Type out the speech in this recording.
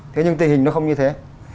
thế nhưng tình hình nó không như thế